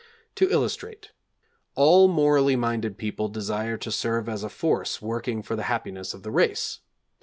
To illustrate: All morally minded people desire to serve as a force working for the happiness of the race.